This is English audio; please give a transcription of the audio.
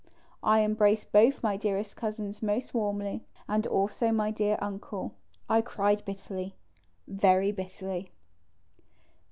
I embraced both my dearest Cousins most warmly, as also my dear Uncle. I cried bitterly, very bitterly.